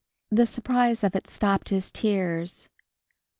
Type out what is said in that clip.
The surprise of it stopped his tears.